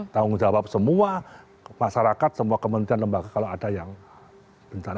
tanggung jawab semua masyarakat semua kementerian lembaga kalau ada yang bencana